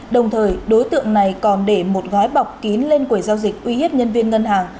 đồng thời đối tượng này còn để một gói bọc kín lên quầy giao dịch uy hiếp nhân viên ngân hàng